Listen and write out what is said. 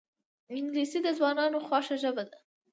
انګلیسي د ځوانانو خوښه ژبه ده